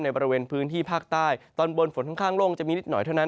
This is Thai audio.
บริเวณพื้นที่ภาคใต้ตอนบนฝนค่อนข้างโล่งจะมีนิดหน่อยเท่านั้น